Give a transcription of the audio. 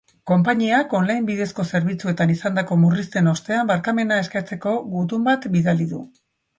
Konpainiak online bidezko zerbitzuetan izandako murrizten ostean barkamena eskatzeko gutun bat bidali du.